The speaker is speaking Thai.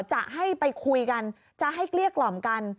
จะให้ไปคุยกันจะให้เกลี้ยกล่อมกัน